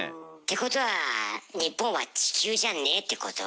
てことは日本は地球じゃねえってこと？